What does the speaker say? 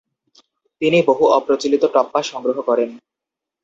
তিনি বহু অপ্রচলিত টপ্পা সংগ্রহ করেন।